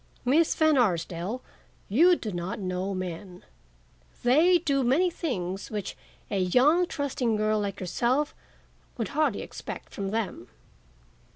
Miss Van Arsdale, you do not know men. They do many things which a young, trusting girl like yourself would hardly expect from them."